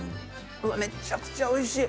めちゃくちゃおいしい。